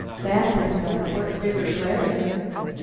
That an' the Port Vigor Clarion."